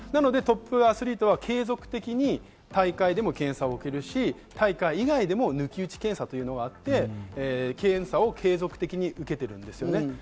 トップアスリートは継続的に大会でも検査を受けるし大会以外でも抜き打ち検査というのがあって、検査を継続的に受けています。